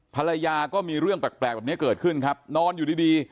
ภรรยาก็มีเรื่องแปลกแบบนี้เกิดขึ้นครับนอนอยู่ดี